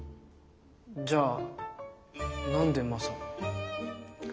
じゃあ何でマサを？